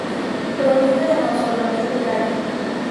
Proveniente de Mausolo, Rey de Caria.